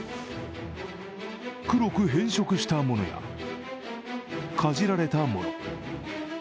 黒く変色したものや、かじられたもの。